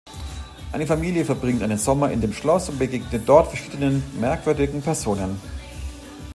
Eine Familie verbringt einen Sommer in dem Schloss und begegnet dort verschiedenen merkwürdigen Personen.